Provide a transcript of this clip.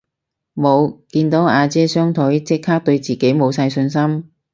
無，見到阿姐雙腿即刻對自己無晒自信